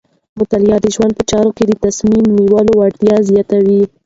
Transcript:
مطالعه د ژوند په چارو کې د تصمیم نیولو وړتیا زیاتوي.